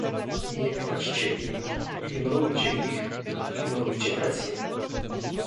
nie płaćcie im, ignorujcie ich, ignorujcie presję